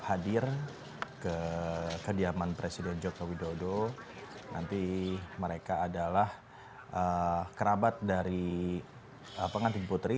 hadir ke kediaman presiden joko widodo nanti mereka adalah kerabat dari pengantin putri